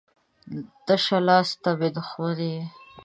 تشه لاسه ته مې دښمن یې